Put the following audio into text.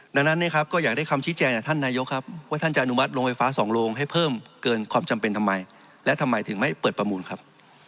ดังนั้นเนี่ยครับก็อยากได้คำชี้แจงจากท่านนายกครับว่าท่านจะอนุมัติโรงไฟฟ้าสองโรงให้เพิ่มเกินความจำเป็นทำไมและทำไมถึงไม่เปิดประมูลครับ